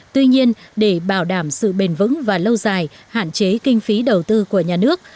tuy nhiên để bảo đảm sự bền vững và lâu dài hạn chế kinh phí đầu tư của nhà nước